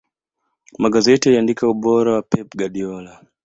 magazeti yaliandika ubora wa pep guardiola